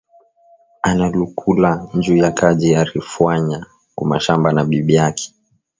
Analukula njuya Kaji ari fwanya ku mashamba na bibi yake